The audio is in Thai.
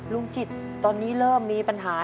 ลุงจิตตอนนี้เริ่มมีปัญหา